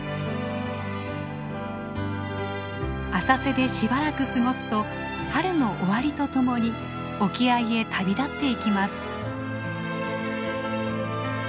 浅瀬でしばらく過ごすと春の終わりとともに沖合へ旅立っていきます。